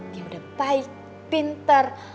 dia udah baik pinter